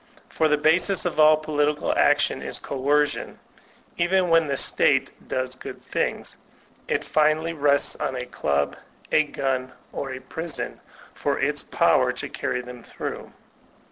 For the basis of all political action is coercion; even when the State does good things, it finally rests on a club, a gun, or a prison, for its power to carry them through.